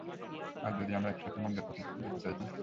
আর যদি আমরা একসাথে মন্দের পথে যেতে চাইতাম?